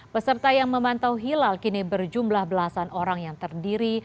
peserta yang memantau hilal kini berjumlah belasan orang yang terdiri